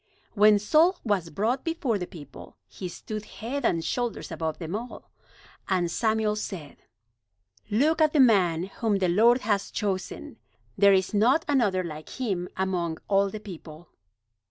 When Saul was brought before the people he stood head and shoulders above them all. And Samuel said: "Look at the man whom the Lord has chosen! There is not another like him among all the people!"